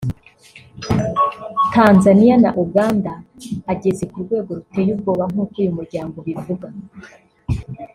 Tanzania na Uganda ageze ku rwego ruteye ubwoba nk’uko uyu muryango ubivuga